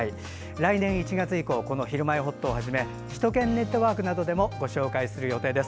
来年１月以降「ひるまえほっと」をはじめ「首都圏ネットワーク」などでもご紹介する予定です。